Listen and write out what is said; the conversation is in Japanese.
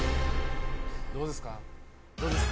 どうですか？